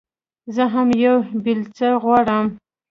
زه هم يوه بېلچه غواړم.